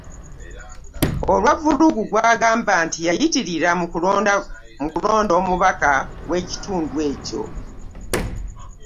Olwa vvulugu gw'agamba nti yayitirira mu kulonda omubaka w'ekitundu ekyo